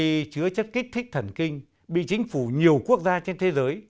bán cần xa cây chứa chất kích thích thần kinh bị chính phủ nhiều quốc gia trên thế giới